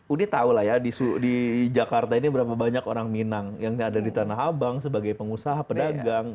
uni tahu lah ya di jakarta ini berapa banyak orang minang yang ada di tanah abang sebagai pengusaha pedagang